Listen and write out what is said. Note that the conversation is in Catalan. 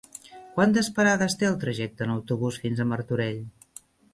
Quantes parades té el trajecte en autobús fins a Martorell?